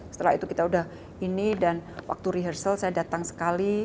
setelah itu kita udah ini dan waktu rehearsal saya datang sekali